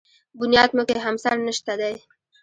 بنیاد مو کې همسر نشته دی.